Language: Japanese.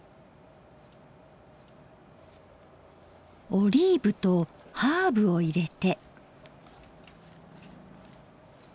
オリーブとハーブを入れて。